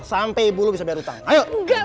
sampai ibu lu bisa bayar hutang